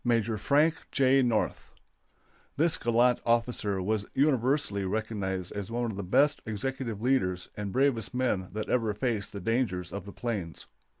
MAJ. FRANK J. NORTH. This gallant officer was universally recognized as one of the best executive leaders and bravest men that ever faced the dangers of the plains.